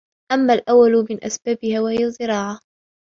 أَمَّا الْأَوَّلُ مِنْ أَسْبَابِهَا وَهِيَ الزِّرَاعَةُ